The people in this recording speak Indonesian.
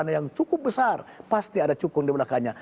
di mana yang cukup besar pasti ada cukong di belakangnya